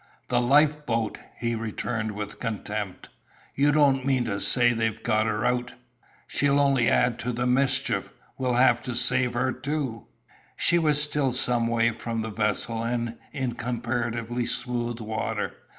"The life boat!" he returned with contempt. "You don't mean to say they've got her out! She'll only add to the mischief. We'll have to save her too." She was still some way from the vessel, and in comparatively smooth water.